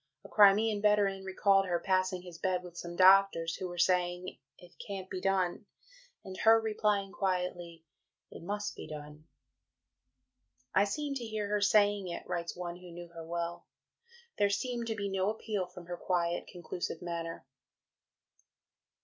A Crimean veteran recalled her passing his bed with some doctors, who were saying, "It can't be done," and her replying quietly, "It must be done." "I seem to hear her saying it," writes one who knew her well; "there seemed to be no appeal from her quiet conclusive manner."